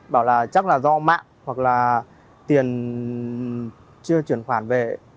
bảo là chắc là do mạng hoặc là tiền chưa chuyển khoản về